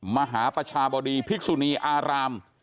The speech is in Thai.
มหาประชาบดีภิกษุนีอาราม